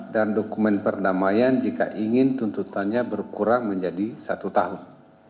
dan dokumen perdamaian jika ingin tuntutannya berkurang menjadi satu tahun